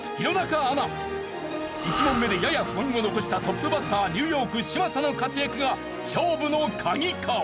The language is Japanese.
１問目でやや不安を残したトップバッターニューヨーク嶋佐の活躍が勝負の鍵か？